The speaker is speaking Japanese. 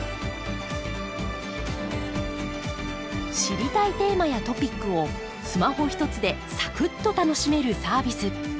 知りたいテーマやトピックをスマホひとつでサクッと楽しめるサービス。